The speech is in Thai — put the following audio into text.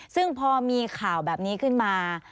ซึ่งพอมีข่าวแบบนี้ขึ้นมา